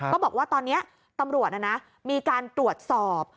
ก็บอกว่าตอนนี้ตำรวจมีการตรวจสอบ